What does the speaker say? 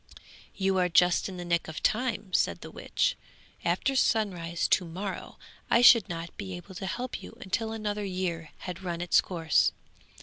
'You are just in the nick of time,' said the witch; 'after sunrise to morrow I should not be able to help you until another year had run its course.